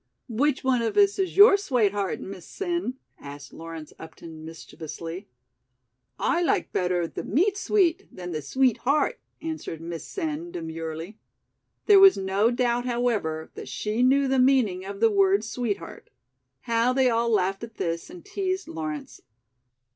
"Which one of us is your swateheart, Miss Sen?" asked Lawrence Upton mischievously. "I like better the 'meat sweet' than the sweet heart," answered Miss Sen demurely. There was no doubt, however, that she knew the meaning of the word "sweetheart." How they all laughed at this and teased Lawrence.